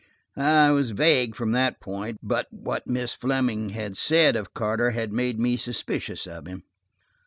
I was vague from that point, but what Miss Fleming had said of Carter had made me suspicious of him.